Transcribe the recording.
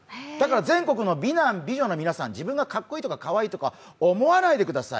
全国の美男美女の皆さん、自分がかっこいいとかかわいいとか思わないでください。